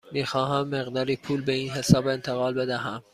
می خواهم مقداری پول به این حساب انتقال بدهم.